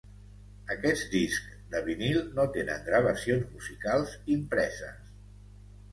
Aquests discs de vinil no tenen gravacions musicals impreses.